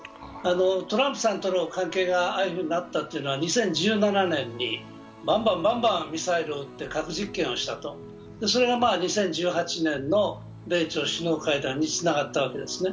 トランプさんとの関係がああいうふうになったというのは２０１７年にバンバン、バンバンミサイルを打って核実験をしたと、それが２０１８年の米朝首脳会談につながったわけですね。